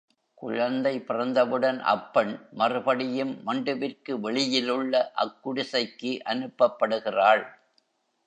குழந்தை பிறந்தவுடன் அப்பெண் மறுபடியும் மண்டுவிற்கு வெளியிலுள்ள அக்குடிசைக்கு அனுப்பப்படுகிறாள்.